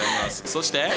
そして。